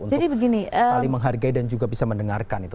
untuk saling menghargai dan juga bisa mendengarkan itu